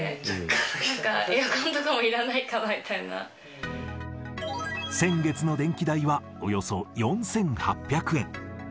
なんか、エアコンとかもいらない先月の電気代はおよそ４８００円。